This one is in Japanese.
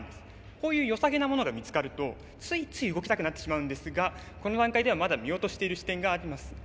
こういうよさげなものが見つかるとついつい動きたくなってしまうんですがこの段階ではまだ見落としている視点があります。